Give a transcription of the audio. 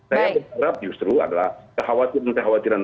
saya berharap justru adalah kekhawatiran kekhawatiran